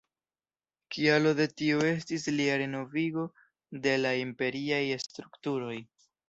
Kialo de tio estis lia renovigo de la imperiaj strukturoj.